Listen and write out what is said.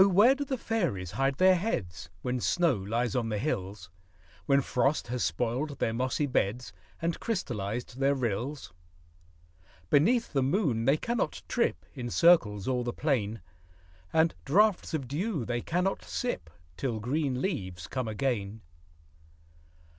where do fairies hide their heads, When snow lies on the hills, When frost has spoiled their mossy beds, And crystallized their rills? Beneath the moon they cannot trip In circles o'er the plain ; And draughts of dew they cannot sip, Till green leaves come again.